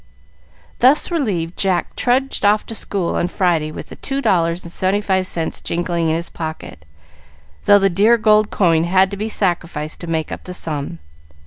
Thus relieved, Jack trudged off to school on Friday with the two dollars and seventy five cents jingling in his pocket, though the dear gold coin had to be sacrificed to make up the sum.